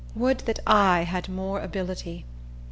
Would that I had more ability!